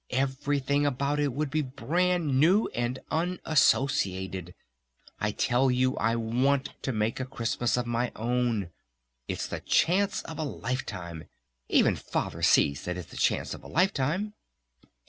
"Everything about it would be brand new and unassociated! I tell you I want to make a Christmas of my own! It's the chance of a life time! Even Father sees that it's the chance of a life time!"